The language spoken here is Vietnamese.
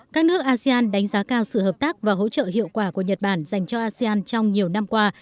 các nước asean đánh giá cao sự hợp tác và hỗ trợ hiệu quả của nhật bản dành cho asean trong nhiều năm qua